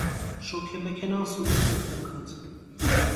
Շոգեմեքենան սուլեց և տնքաց: